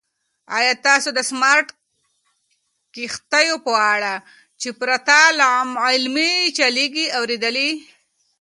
ایا تاسو د سمارټ کښتیو په اړه چې پرته له عملې چلیږي اورېدلي؟